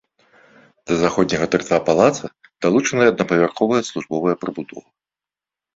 Да заходняга тарца палаца далучаная аднапавярховая службовая прыбудова.